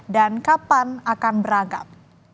dan kapan akan berangkat